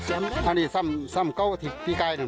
อันนี้ซ่ำคู่ทีนี้แกลมัน